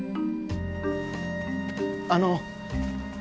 あの。